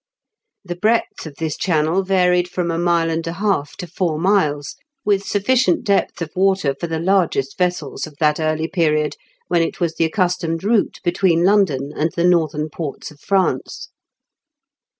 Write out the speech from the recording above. The breadth of this channel varied from a mile and a half to four miles, with sufficient depth of water for the largest vessels of that early period when it was the accustomed route be tween London and the northern ports of France.